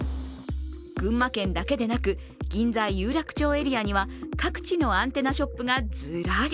群馬県だけでなく、銀座・有楽町エリアには各地のアンテナショップがずらり。